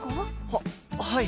ははい。